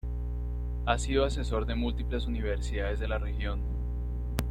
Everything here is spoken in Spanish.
Ha sido asesor de múltiples universidades de la región.